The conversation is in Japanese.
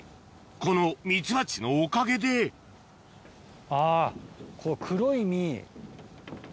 このミツバチのおかげであこの。